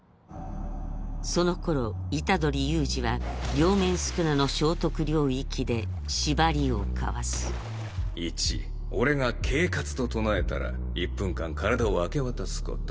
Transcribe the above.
そのころ虎杖悠仁は両面宿儺の生得領域で縛りを交わす１俺が「契闊」と唱えたら１分間体を明け渡すこと。